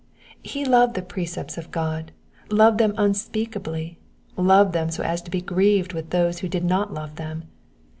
Ho loved the precepts of God — loved them unspeakably — loved them so as to be grieved with those who did not love them.